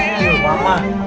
aku kangen sama mama